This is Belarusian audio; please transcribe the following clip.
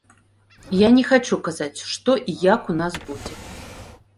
Я не хачу казаць, што і як у нас будзе.